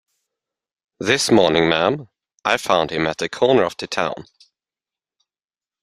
This morning, ma'am; I found him at the corner of the town.